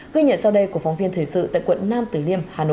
ghi nhận sau đây của phóng viên thời sự tại quận nam tử liêm hà nội